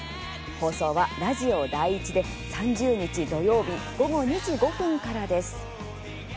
放送は３０日、土曜日午後２時５分からです。